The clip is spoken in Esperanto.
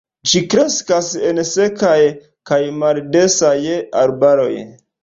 Ĝi kreskas en sekaj kaj maldensaj arbaroj.